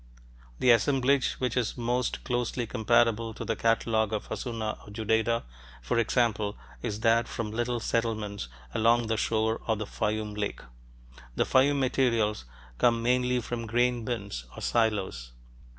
The assemblage which is most closely comparable to the catalogue of Hassuna or Judaidah, for example, is that from little settlements along the shore of the Fayum lake. The Fayum materials come mainly from grain bins or silos.